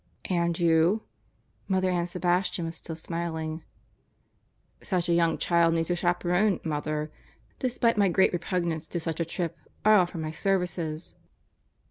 "And you?" Mother Ann Sebastian was still smiling. "Such a young child needs a chaperon, Mother. Despite my great repugnance to such a trip, I offer my services."